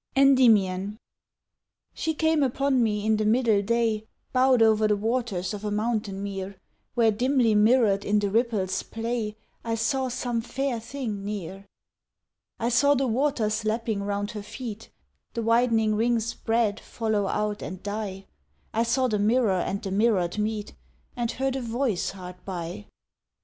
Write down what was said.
ENDYMION She came upon me in the middle day, Bowed o'er the waters of a mountain mere; Where dimly mirrored in the ripple's play I saw some fair thing near. I saw the waters lapping round her feet, The widening rings spread, follow out and die, I saw the mirror and the mirrored meet, And heard a voice hard by.